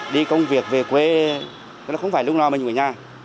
đi công việc về quê nó không phải lúc nào mình ở nhà